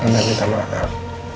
jangan minta maaf